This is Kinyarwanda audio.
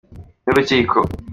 n’urukiko.